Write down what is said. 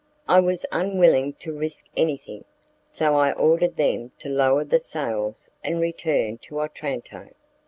I was unwilling to risk anything, so I ordered them to lower the sails and return to Otranto.